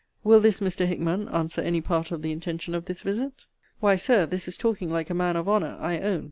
Will this, Mr. Hickman, answer any part of the intention of this visit? Why, Sir, this is talking like a man of honour, I own.